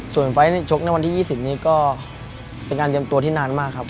ส่วนไฟล์ชกในวันที่๒๐นี้ก็เป็นการเตรียมตัวที่นานมากครับ